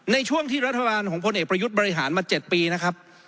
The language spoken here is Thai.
ในช่วงที่รัฐบาลของพลเอกประยุทธ์บริหารมา๗ปีนะครับ